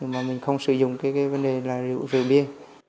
mà mình không sử dụng cái vấn đề là rượu bia